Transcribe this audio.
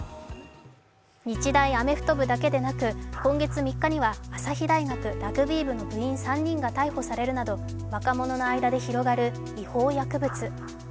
日大アメフト部だけでなく、今月３日には朝日大学ラグビー部の部員３人が逮捕されるなど、若者の間で広がる違法薬物。